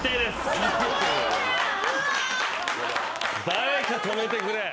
誰か止めてくれ。